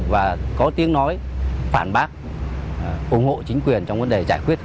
và có tiếng nói phản bác ủng hộ chính quyền trong vấn đề giải quyết